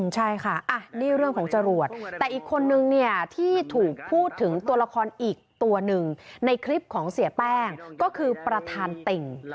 ใช่ค่ะนี่เรื่องของจรวดแต่อีกคนนึงเนี่ยที่ถูกพูดถึงตัวละครอีกตัวหนึ่งในคลิปของเสียแป้งก็คือประธานติ่ง